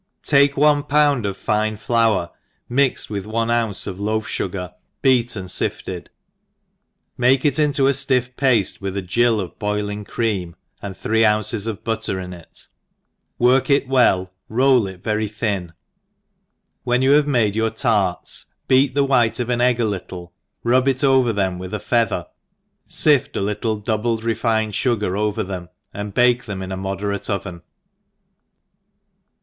TAKE one pound of fine flour mixed with .one ounce of loaf fugar beat and fifted, make it into a ftifi^ pafle with a gill of boiling cream, and three dunces of butter in it, work it well, roll it very thin, when you have made your tarts, beat the white of an egg a little, rub it over them with a feather, fift a little double refined fugar over them, and bake them in a moderate oveii.